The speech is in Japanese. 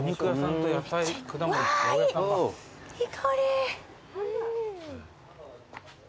いい香り。